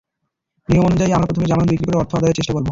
নিয়ম অনুযায়ী আমরা প্রথমে জামানত বিক্রি করে অর্থ আদায়ের চেষ্টা করব।